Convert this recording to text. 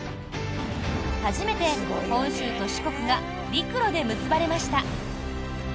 初めて本州と四国が陸路で結ばれました。